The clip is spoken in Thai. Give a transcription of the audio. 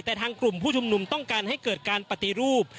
แต่ทางกลุ่มผู้ชุมนุมต้องการให้เกิดการปฏิรูป